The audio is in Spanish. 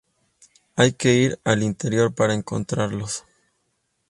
Hay que ir al interior para encontrarlos.